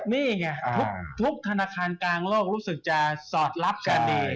นี่ไงทุกธนาคารกลางโลกรู้สึกจะสอดรับกันดี